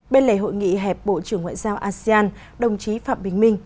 bên lề hội nghị hẹp bộ trưởng ngoại giao asean đồng chí phạm bình minh